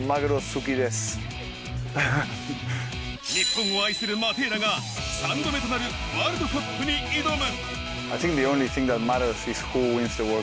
日本を愛するマテーラが、３度目となるワールドカップに挑む。